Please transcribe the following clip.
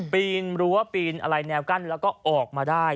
ปีนรั้วปีนอะไรแนวกั้นแล้วก็ออกมาได้